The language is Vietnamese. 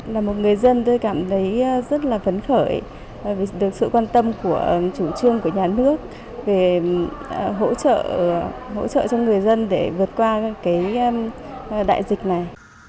là một người dân tôi cảm thấy rất là phấn khởi vì được sự quan tâm của chủ trương của nhà nước về hỗ trợ cho người dân để vượt qua cái đại dịch này